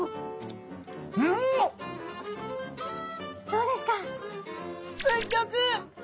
どうですか？